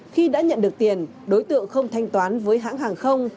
khi đã nhận được tiền đối tượng không thanh toán với hãng hàng không